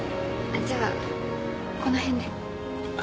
じゃあこの辺で。